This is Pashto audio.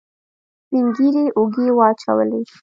سپينږيري اوږې واچولې.